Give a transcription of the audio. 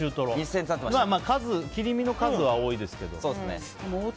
切り身の数は多いですけど。